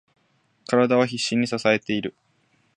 体は必死に支えている。